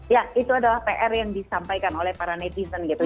ya itu adalah pr yang disampaikan oleh para netizen gitu